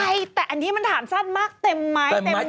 เข้าใจแต่อันนี้มันถามสั้นมากเต็มไม้เต็มมือไหมคะ